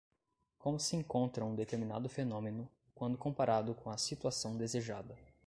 como se encontra um determinado fenômeno, quando comparado com a situação desejada